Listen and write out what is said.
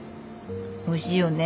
おいしいよね？